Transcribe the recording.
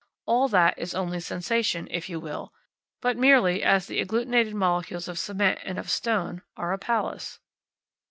All that is only sensation, if you will; but merely as the agglutinated molecules of cement and of stone are a palace.